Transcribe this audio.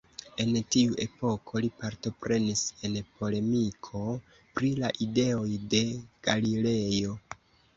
En tiu epoko li partoprenis en polemiko pri la ideoj de Galilejo.